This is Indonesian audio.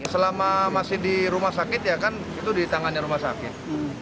selama masih di rumah sakit itu di tangannya rumah sakit